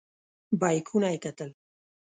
بیکونه یې کتل.